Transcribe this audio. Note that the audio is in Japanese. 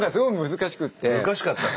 難しかったね。